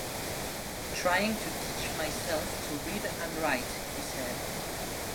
"Trying to teach myself to read and write," he said.